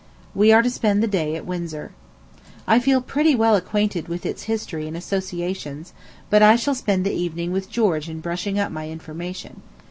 We are to spend the day at Windsor. I feel pretty well acquainted with its history and associations, but I shall spend the evening with George in brushing up my information.